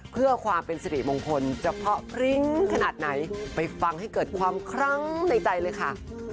เพื่อความเป็นสิริมงคลเฉพาะพริ้งขนาดไหนไปฟังให้เกิดความครั้งในใจเลยค่ะ